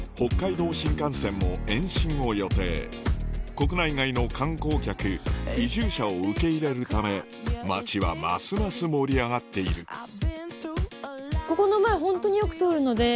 国内外の観光客移住者を受け入れるため町はますます盛り上がっているはい。